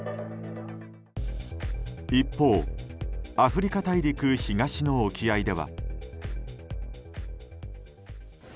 一方、アフリカ大陸東の沖合では。